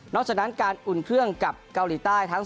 จากนั้นการอุ่นเครื่องกับเกาหลีใต้ทั้ง